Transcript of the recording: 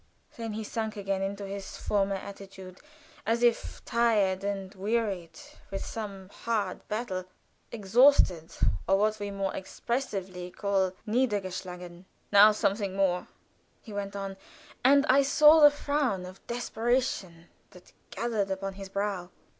Then he sunk again into his former attitude as if tired and wearied with some hard battle; exhausted, or what we more expressively call niedergeschlagen. "Now something more," he went on; and I saw the frown of desperation that gathered upon his brow.